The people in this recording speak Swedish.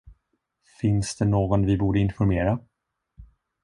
Finns det någon vi borde informera?